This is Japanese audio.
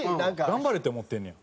頑張れって思ってんねや。